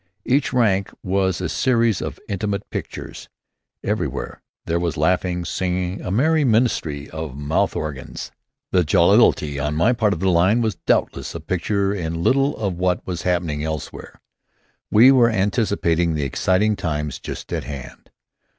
Each rank was a series of intimate pictures. Everywhere there was laughing, singing, a merry minstrelsy of mouth organs. The jollity in my own part of the line was doubtless a picture in little of what was happening elsewhere. We were anticipating the exciting times just at hand.